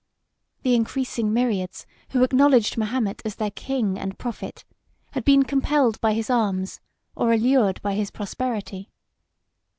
The increasing myriads, who acknowledged Mahomet as their king and prophet, had been compelled by his arms, or allured by his prosperity.